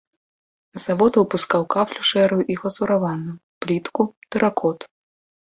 Завод выпускаў кафлю шэрую і глазураваную, плітку, тэракот.